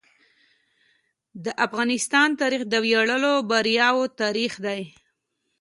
د افغانستان تاریخ د ویاړلو بریاوو تاریخ دی.